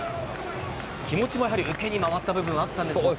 気持ちも受けに回った部分あったんですか？